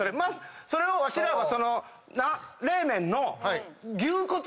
それをわしらは。